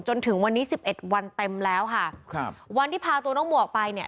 จนถึงวันนี้สิบเอ็ดวันเต็มแล้วค่ะครับวันที่พาตัวน้องหมวกไปเนี่ย